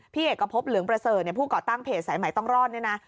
เอกพบเหลืองประเสริฐผู้ก่อตั้งเพจสายใหม่ต้องรอดเนี่ยนะ